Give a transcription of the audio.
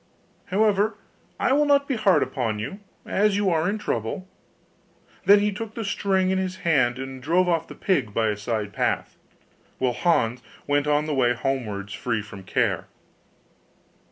However, I will not be hard upon you, as you are in trouble.' Then he took the string in his hand, and drove off the pig by a side path; while Hans went on the way homewards free from care.